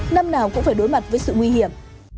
năm nào cũng phải đối mặt với sự nguy hiểm